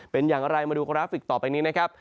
เป็นอย่างไรมาดูกราฟิกต่อไปนี้นะครับ